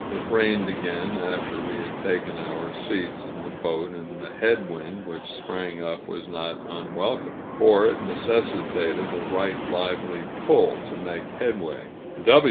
It rained again, after we had taken our seats in the boat, and the head wind which sprang up was not unwelcome, for it necessitated a right lively pull to make headway.